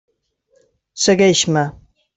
Segueix-me.